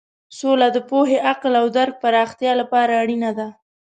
سوله د پوهې، عقل او درک پراختیا لپاره اړینه ده.